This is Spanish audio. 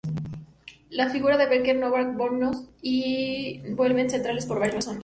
Las figuras de Beckett, Nabokov y Borges se vuelven centrales por varias razones.